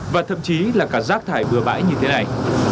và thậm chí là cả rác thải bừa bãi như thế này